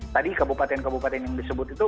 tadi kabupaten kabupaten yang disebut itu